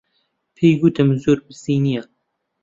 پێی گوتم زۆر برسی نییە.